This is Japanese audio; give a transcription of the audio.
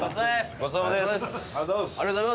ごちそうさまです。